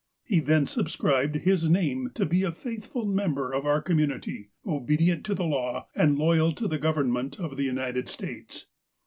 He then subscribed his name to be a faithful member of our community, obedient to the law, and loyal to the Government of the United States.